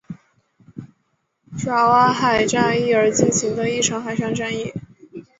爪哇海战役而进行的一场海上战役。